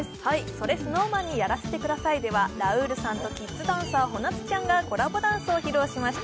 「それＳｎｏｗＭａｎにやらせて下さい」では、ラウールさんとキッズダンサー・ほなつちゃんがダンスを披露しました。